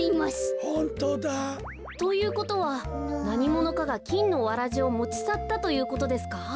ホントだ。ということはなにものかがきんのわらじをもちさったということですか？